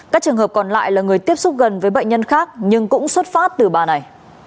các trường hợp còn lại là người tiếp xúc gần với bệnh nhân khác nhưng cũng xuất phát từ bà này